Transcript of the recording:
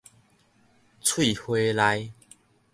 喙花利